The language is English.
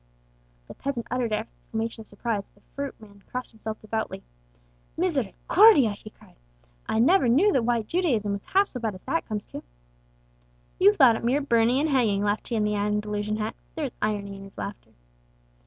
The peasant uttered an exclamation of surprise, the fruit man crossed himself devoutly. "Misericordia!" he cried; "I never knew that White Judaism was half so bad as that comes to." "You thought it mere burning and hanging," laughed he in the Andalusian hat: there was irony in his laughter.